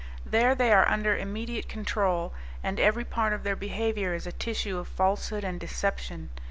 There they are under immediate control, and every part of their behaviour is a tissue of falsehood and deception.